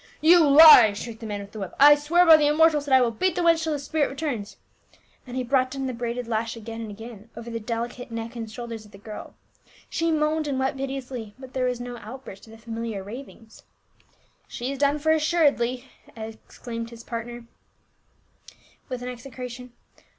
"You lie!" shrieked the man with the whip. "I swear by the immortals that I will beat the \\cnch till the spirit returns." And he brought down the braided lash again and again over the delicate neck and shoul ders of the girl ; she moaned and wept piteously, but there was no outburst of the familiar ravings. "She's done for assuredly," exclaimed his partner 32G J>A UL. with an execration.